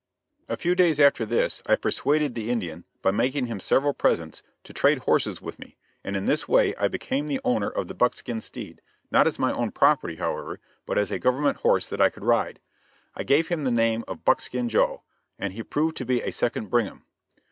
A few days after this, I persuaded the Indian, by making him several presents, to trade horses with me, and in this way I became the owner of the buckskin steed, not as my own property, however, but as a government horse that I could ride. I gave him the name of "Buckskin Joe" and he proved to be a second Brigham.